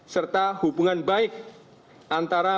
serta hubungan baik antara